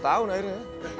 lima belas tahun akhirnya